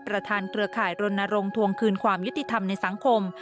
เครือข่ายรณรงค์ทวงคืนความยุติธรรมในสังคม